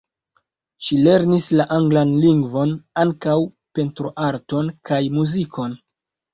Ŝi lernis la anglan lingvon, ankaŭ pentroarton kaj muzikon.